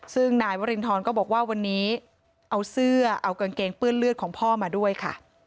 ซึ่งนายวรินทรก็บอกว่าวันนี้เอาเสื้อเอากางเกงเปื้อนเลือดของพ่อมาด้วยค่ะ